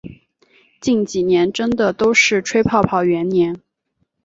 近几年真的都是吹泡泡元年